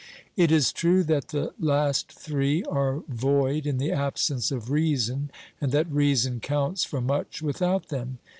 It is true that the last three are void in the absence of reason, and that reason counts for much without them.